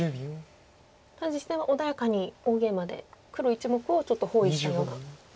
ただ実戦は穏やかに大ゲイマで黒１目をちょっと包囲したような。